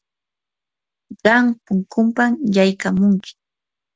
qam punkupam yaykamunki.